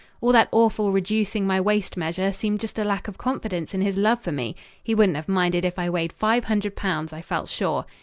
All that awful reducing my waist measure seemed just a lack of confidence in his love for me; he wouldn't have minded if I weighed five hundred pounds, I felt sure.